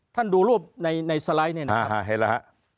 ท่านดูรูปในสไลด์นี่นะครับ